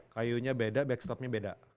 kayunya beda backstopnya beda